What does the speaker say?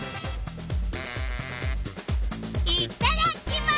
いっただっきます！